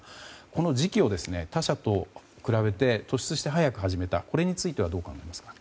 この時期を他社と比べて突出して早く始めたことについては？